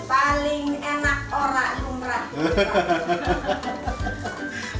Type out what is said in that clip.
paling enak orang umrah